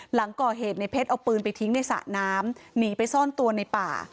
หลังก่อเหตุในเพชรเอาปืนไปทิ้งในสระน้ำหนีไปซ่อนตัวในป่า